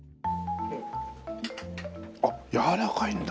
あっやわらかいんだ。